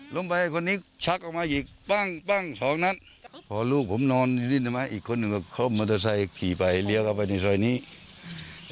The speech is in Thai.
ล้มไปให้คนนี้ชักออกมาอีกปั้งปั้งสองนัดพอลูกผมนอนอยู่นี่นะไหมอีกคนนึงก็คล่มมอเตอร์ไซค์ขี่ไปเรียกออกไปในซอยนี้